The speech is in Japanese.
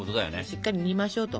しっかり煮ましょうと。